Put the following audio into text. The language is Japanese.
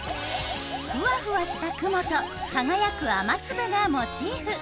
ふわふわした雲と輝く雨粒がモチーフ。